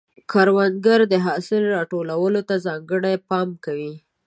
کروندګر د حاصل راټولولو ته ځانګړی پام کوي